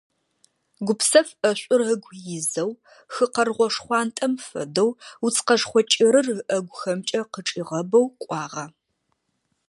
Гупсэф ӀэшӀур ыгу изэу, хы къэргъо шхъуантӀэм фэдэу, уц къэшхъо кӀырыр ыӀэгухэмкӀэ къычӀигъэбэу кӀуагъэ.